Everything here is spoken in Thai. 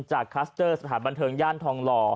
คลัสเตอร์สถานบันเทิงย่านทองหล่อ